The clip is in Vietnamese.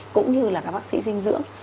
cũng như là các bác sĩ dinh dưỡng